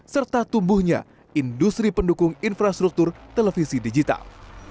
serta tumbuhnya industri pendukung infrastruktur televisi digital